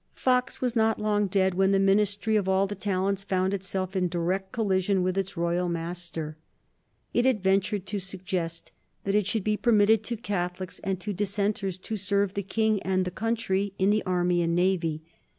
Fox was not long dead when the Ministry of All the Talents found itself in direct collision with its royal master. It had ventured to suggest that it should be permitted to Catholics and to Dissenters to serve the King and the country in the Army and Navy.